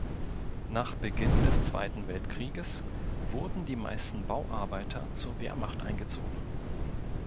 Nach Beginn des Zweiten Weltkrieges wurden die meisten Bauarbeiter zur Wehrmacht eingezogen.